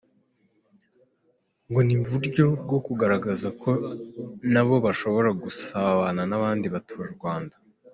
Ngo ni n’uburyo bwo kugaragaza ko na bo bashobora gusabana n’abandi baturarwanda.